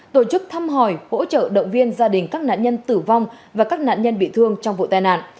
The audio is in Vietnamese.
tổ chức thăm hỏi hỗ trợ động viên gia đình các nạn nhân tử vong và các nạn nhân bị thương trong vụ tai nạn